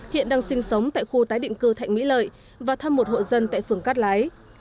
hiện đang sinh sống tại khu tái định cư thạnh mỹ lợi và thăm một hộ dân tại phường cát lái